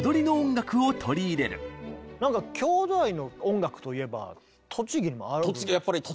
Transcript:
なんか郷土愛の音楽といえば栃木にもある。